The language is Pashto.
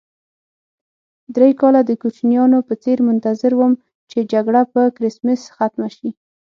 درې کاله د کوچنیانو په څېر منتظر وم چې جګړه په کرېسمس ختمه شي.